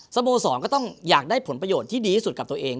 สโมสรก็ต้องอยากได้ผลประโยชน์ที่ดีที่สุดกับตัวเอง